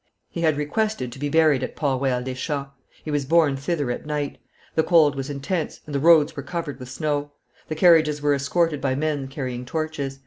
He had requested to be buried at Port Royal des Champs; he was borne thither at night; the cold was intense, and the roads were covered with snow; the carriages were escorted by men carrying torches.